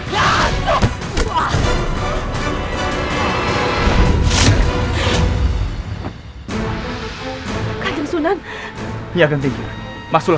sepertinya ada sesuatu yang tidak wajar